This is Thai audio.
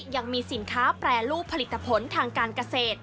ยังมีสินค้าแปรรูปผลิตผลทางการเกษตร